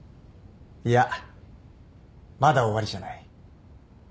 いやまだ終わりじゃない。